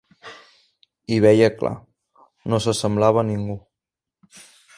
Hi veia clar: no s'assemblava a ningú.